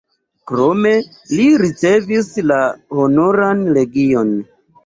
Krome li ricevis la Honoran Legion.